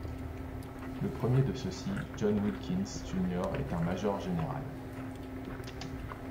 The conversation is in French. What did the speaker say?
Le premier de ceux-ci, John Wilkins, Jr., est un major général.